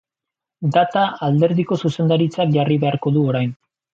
Data alderdiko zuzendaritzak jarri beharko du orain.